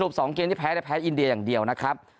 ๒เกมที่แพ้แพ้อินเดียอย่างเดียวนะครับ